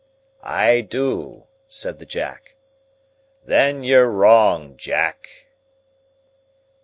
"I do," said the Jack. "Then you're wrong, Jack."